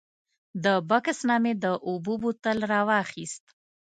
له بکس نه مې د اوبو بوتل راواخیست.